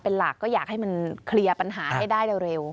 เป็นหลักก็อยากให้มันเคลียร์ปัญหาให้ได้เร็ว